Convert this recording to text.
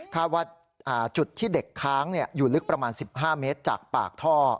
ว่าจุดที่เด็กค้างอยู่ลึกประมาณ๑๕เมตรจากปากท่อ